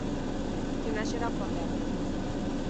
Gimnasiora joan behar dut.